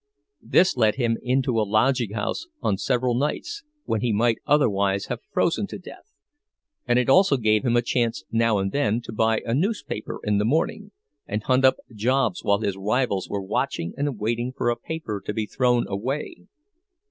This let him into a lodging house on several nights when he might otherwise have frozen to death; and it also gave him a chance now and then to buy a newspaper in the morning and hunt up jobs while his rivals were watching and waiting for a paper to be thrown away.